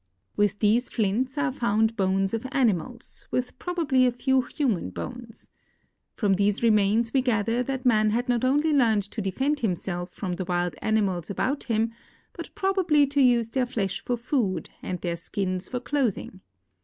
With these flints are found bones of animals, with probably a few human bones. From these remains we gather that man had not only learned to defend himself from the wild animals about him, but probably to use their flesh for food and their skins for clothing.